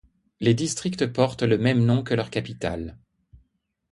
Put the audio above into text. Les districts portent le même nom que leur capitale.